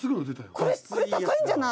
「これ高いんじゃない？」